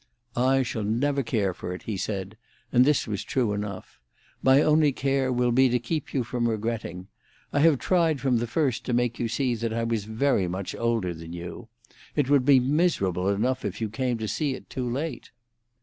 "I shall never care for it," he said, and this was true enough. "My only care will be to keep you from regretting. I have tried from the first to make you see that I was very much older than you. It would be miserable enough if you came to see it too late."